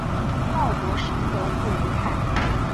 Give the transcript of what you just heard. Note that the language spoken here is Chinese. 鲍博什德布雷泰。